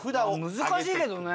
難しいけどね。